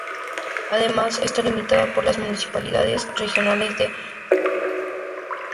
Además, está limitada por las municipalidades regionales de Beauharnois-Salaberry, Roussillon y Vaudreuil-Soulanges.